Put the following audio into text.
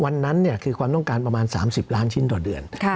วันนั้นคือความต้องการประมาณ๓๐ล้านชิ้นต่อเดือน